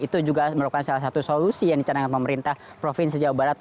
itu juga merupakan salah satu solusi yang dicanangkan pemerintah provinsi jawa barat